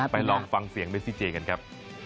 ไปลองฟังเสียงด้วยซิเจย์กันครับ